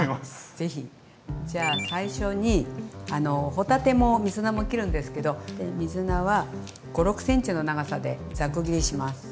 ぜひ。じゃあ最初に帆立ても水菜も切るんですけど水菜は５６ｃｍの長さでざく切りします。